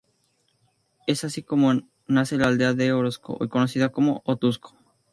Es así como nace la "Aldea de Orozco", hoy conocida como "Otuzco".